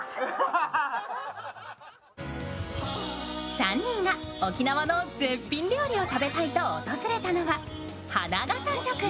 ３人が沖縄の絶品料理を食べたいと訪れたのは花笠食堂。